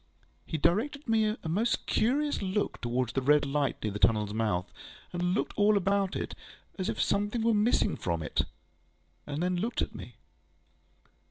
He directed a most curious look towards the red light near the tunnelŌĆÖs mouth, and looked all about it, as if something were missing from it, and then looked at me.